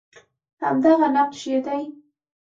همدغه نقش یې دی